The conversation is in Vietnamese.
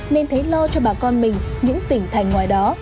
nên thấy lo cho bà con mình những tỉnh thành ngoài đó